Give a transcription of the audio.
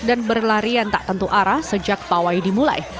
berlarian tak tentu arah sejak pawai dimulai